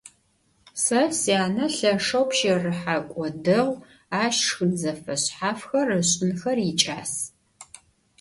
Se syane lheşşeu pşerıhek'o değu, aş şşxın zefeşshafxer ış'ınxer yiç'as.